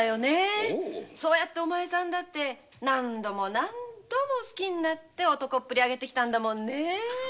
そうやってお前さんも何度も何度も好きになって男っぷりをあげて来たんだもんね。